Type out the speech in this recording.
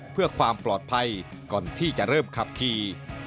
เพื่อความปลอดภัยก่อนที่จะเริ่มขับขี่